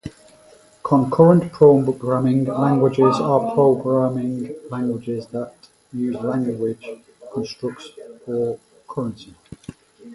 Concurrent programming languages are programming languages that use language constructs for concurrency.